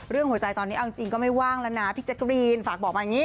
หัวใจตอนนี้เอาจริงก็ไม่ว่างแล้วนะพี่แจ๊กรีนฝากบอกมาอย่างนี้